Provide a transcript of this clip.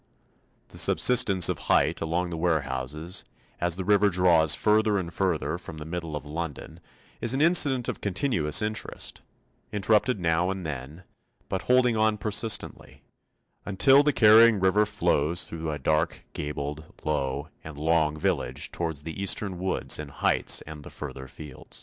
The subsidence of height along the warehouses as the river draws further and further from the middle of London is an incident of continuous interest, interrupted now and then, but holding on persistently, until the carrying river flows through a dark gabled, low, and long village towards the eastern woods and heights and the further fields.